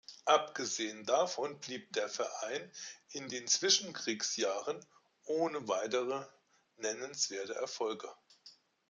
Abgesehen davon blieb der Verein in den Zwischenkriegsjahren ohne weitere nennenswerte Erfolge.